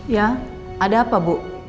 ya ada apa bu